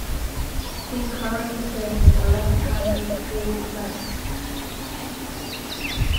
He currently plays a left-handed Warwick bass.